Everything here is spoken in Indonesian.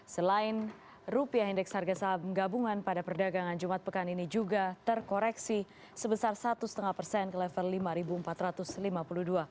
selain rupiah indeks harga saham gabungan pada perdagangan jumat pekan ini juga terkoreksi sebesar satu lima persen ke level rp lima empat ratus lima puluh dua